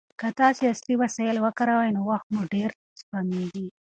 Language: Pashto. که تاسي عصري وسایل وکاروئ نو وخت مو ډېر سپمېږي.